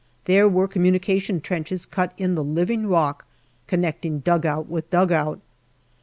There were communi cation trenches cut in the living rock connecting dugout with dugout.